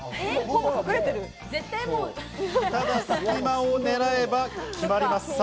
隙間を狙えば決まります。